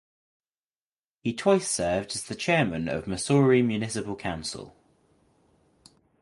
He twice served as the Chairman of Mussoorie Municipal Council.